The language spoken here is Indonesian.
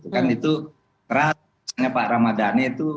kan itu terasa pak ramadhani itu